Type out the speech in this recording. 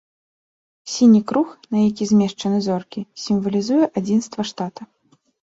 Сіні круг, на які змешчаны зоркі, сімвалізуе адзінства штата.